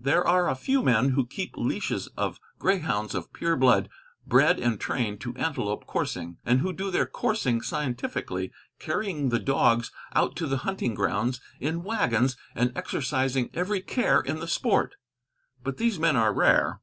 There are a few men who keep leashes of greyhounds of pure blood, bred and trained to antelope coursing, and who do their coursing scientifically, carrying the dogs out to the hunting grounds in wagons and exercising every care in the sport; but these men are rare.